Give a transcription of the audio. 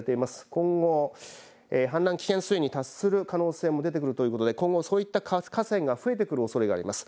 今後、氾濫危険水位に達する可能性も出てくるということで今後そういった河川が増えてくるおそれがあります。